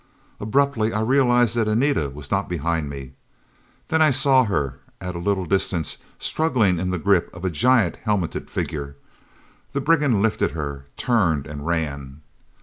Abruptly I realized that Anita was not behind me! Then I saw her at a little distance, struggling in the grip of a giant helmeted figure! The brigand lifted her turned, and ran.